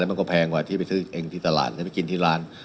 มันก็แพงกว่าที่ไปซื้อเองที่ตลาดแล้วไปกินที่ร้าน